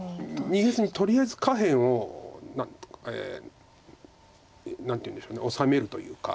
逃げずにとりあえず下辺を何ていうんでしょう治めるというか。